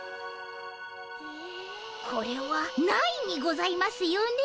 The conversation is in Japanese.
これはないにございますよね？